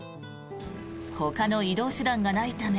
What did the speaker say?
ほかの移動手段がないため